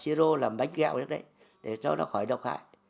chị ro làm bánh gạo như thế đấy để cho nó khỏi độc hại